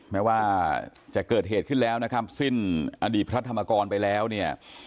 แม้ว่าจะเกิดเหตุขึ้นแล้วนะครับสิ้นอดีตพระธรรมกรไปแล้วเนี่ย